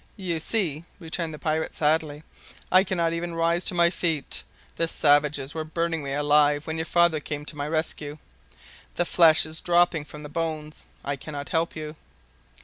"You see," returned the pirate sadly, "I cannot even rise to my feet. The savages were burning me alive when your father came to my rescue. The flesh is dropping from the bones. I cannot help you."